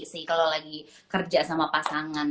sih kalau lagi kerja sama pasangan